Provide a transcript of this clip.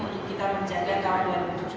untuk kita menjaga keamanan dua ribu tujuh belas